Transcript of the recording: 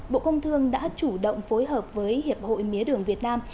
bộ công thương đã chủ động phối hợp với hiệp hội mía đường việt nam